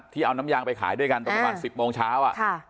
ที่เอาน้ำยางไปขายด้วยกันตรงประมาณสิบโมงเช้าค่ะ